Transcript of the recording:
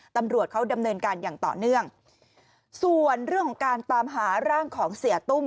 ตำรวจเขาดำเนินการอย่างต่อเนื่องส่วนเรื่องของการตามหาร่างของเสียตุ้ม